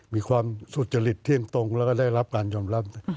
มีความสุจริตเที่ยงตรงแล้วก็ได้รับการยอมรับ